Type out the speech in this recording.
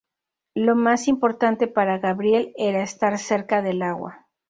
Lo más importante para Gabriel era estar cerca del agua.